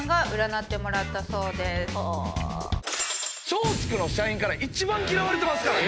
松竹の社員から一番嫌われてますから。